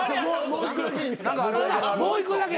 もう１個だけ。